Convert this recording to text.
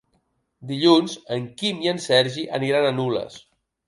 Dilluns en Quim i en Sergi aniran a Nules.